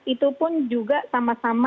itu pun juga sama sama